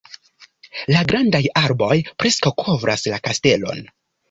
La grandaj arboj preskaŭ kovras la kastelon.